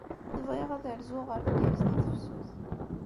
Bɣiɣ ad rzuɣ ɣer Bgayet di tefsut.